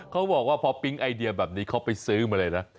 เขาบอกว่าพอปิ๊งไอเดียแบบนี้เขาไปซื้อมาเลยนะ